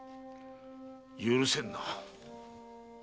許せんな。